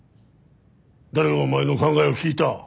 誰がお前の考えを聞いた？